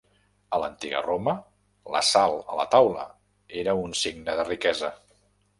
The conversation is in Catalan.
A l'Antiga Roma, la sal a la taula era un signe de riquesa.